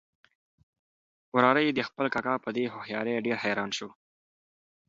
وراره یې د خپل کاکا په دې هوښیارۍ ډېر حیران شو.